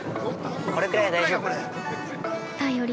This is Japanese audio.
これくらいは大丈夫。